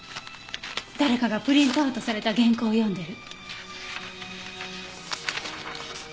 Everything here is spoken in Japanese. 誰かがプリントアウトされた原稿を読んでる。